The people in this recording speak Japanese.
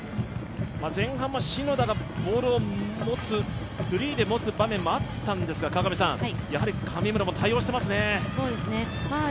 前半は篠田がボールをフリーで持つ場面もあったんですが、やはり神村も対応していますね。